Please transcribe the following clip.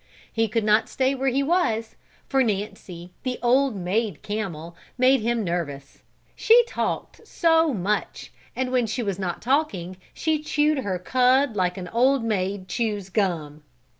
He could not stay where he was, for Nancy, the old maid camel, made him nervous; she talked so much, and when she was not talking she chewed her cud like an old maid chews gum.